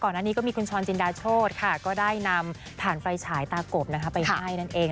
อันนี้ก็มีคุณช้อนจินดาโชธค่ะก็ได้นำถ่านไฟฉายตากบไปให้นั่นเอง